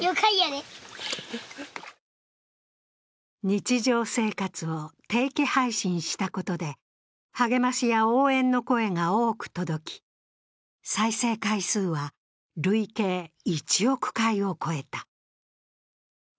日常生活を定期配信したことで励ましや応援の声が多く届き再生回数は累計１億回を超えた。